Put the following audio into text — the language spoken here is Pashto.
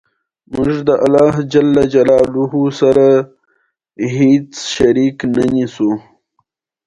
د سوشل میډیا تسلسل باور جوړوي.